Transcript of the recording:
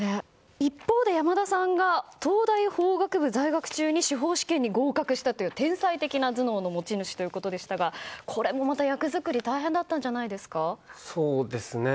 一方で山田さんが東大法学部在学中に司法試験に合格したという天才的な頭脳の持ち主でこれもまた役作り大変だったんじゃないですか？